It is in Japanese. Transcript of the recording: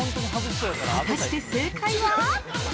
◆果たして正解は？